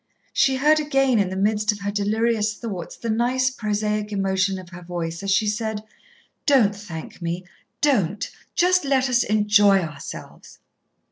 She heard again, in the midst of her delirious thoughts, the nice, prosaic emotion of her voice as she said: "Don't thank me don't. Just let us enjoy ourselves."